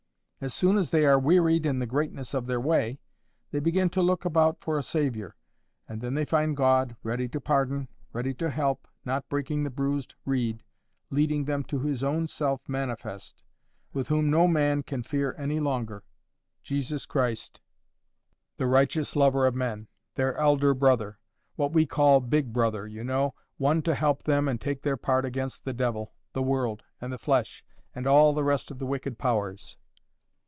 As soon as they are 'wearied in the greatness of their way,' they begin to look about for a Saviour. And then they find God ready to pardon, ready to help, not breaking the bruised reed—leading them to his own self manifest—with whom no man can fear any longer, Jesus Christ, the righteous lover of men—their elder brother—what we call BIG BROTHER, you know—one to help them and take their part against the devil, the world, and the flesh, and all the rest of the wicked powers.